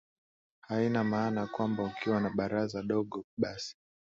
haina maana kwamba ukiwa na baraza dogo basi